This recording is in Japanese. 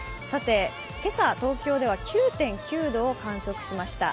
今朝、東京では９．９度を観測しました。